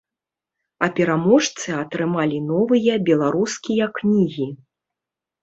А пераможцы атрымалі новыя беларускія кнігі.